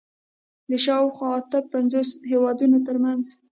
د شاوخوا اته پنځوس هېوادونو تر منځ